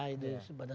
itu anggap aja